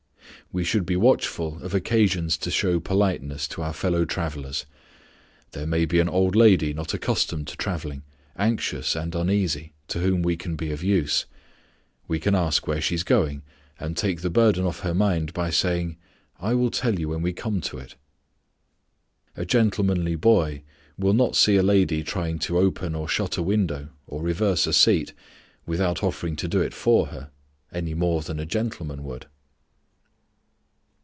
We should be watchful of occasions to show politeness to our fellow travellers. There may be an old lady not accustomed to travelling, anxious and uneasy, to whom we can be of use. We can ask where she is going, and take the burden off her mind by saying, "I will tell you when we come to it." A gentlemanly boy will not see a lady trying to open or shut a window or reverse a seat without offering to do it for her, any more than a gentleman would.